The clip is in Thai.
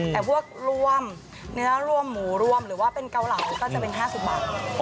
แต่พวกรวมเนื้อรวมหมูรวมหรือว่าเป็นเกาเหลาก็จะเป็น๕๐บาท